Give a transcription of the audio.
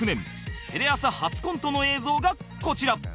テレ朝初コントの映像がこちら